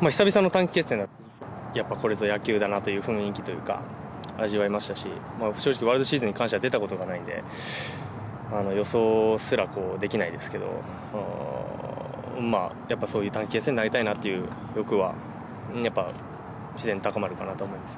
久々の短期決戦だったんで、やっぱ、これぞ野球だなという雰囲気だとか、味わえましたし、正直、ワールドシリーズに関しては出たことがないんで、予想すらできないですけど、やっぱそういう短期決戦でなりたいなっていう欲はやっぱ自然と高まるかなと思います。